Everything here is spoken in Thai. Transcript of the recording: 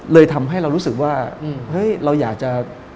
เลยทำให้เรารู้สึกว่าเราอยากจะ